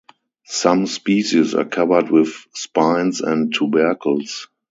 Some species are covered with spines and tubercles.